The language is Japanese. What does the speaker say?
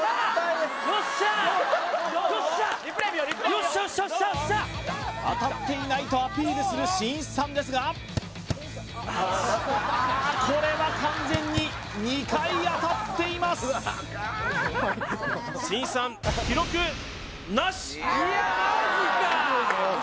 よっしゃよっしゃよっしゃ当たっていないとアピールするしんいちさんですがこれは完全に２回当たっていますしんいちさんいやまじか！